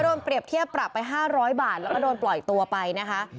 เปรียบเทียบปรับไป๕๐๐บาทแล้วก็โดนปล่อยตัวไปนะคะ